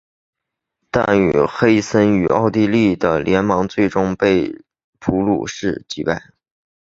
但黑森与奥地利的联盟最终被普鲁士击败。